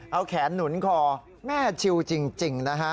เอาแขนหนุนคอแม่ชิวจริงนะฮะ